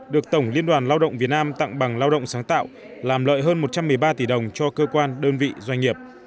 được tổng liên đoàn lao động việt nam tặng bằng lao động sáng tạo làm lợi hơn một trăm một mươi ba tỷ đồng cho cơ quan đơn vị doanh nghiệp